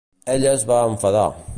Ella es va enfadar.